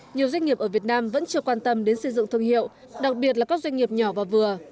nhiều doanh nghiệp ở việt nam vẫn chưa quan tâm đến xây dựng thương hiệu đặc biệt là các doanh nghiệp nhỏ và vừa